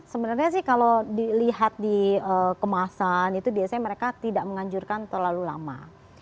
sebenarnya sih kalau dilihat di kemasan itu biasanya mereka tidak menganjurkan terlalu lama